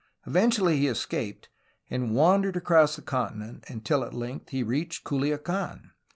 Eventually he escaped, and wandered across the continent until at length he reached Culiacdn.